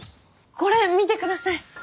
これ見て下さい。